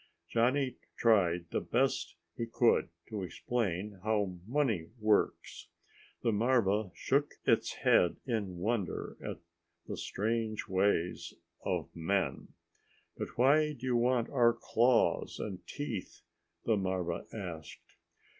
Johnny tried the best he could to explain how money works. The marva shook its head in wonder at the strange ways of men. "But why do you want our claws and teeth?" the marva asked.